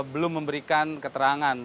belum memberikan keterangan